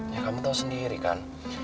ya kamu tahu sendiri kan